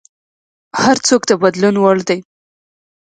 هر څوک د بدلون وړ دی.